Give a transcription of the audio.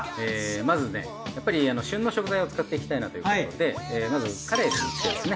まずねやっぱり旬の食材を使っていきたいなということでまずカレイの煮付けですね。